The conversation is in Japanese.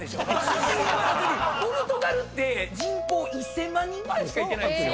ポルトガルって人口１，０００万人ぐらいしかいてないんですよ。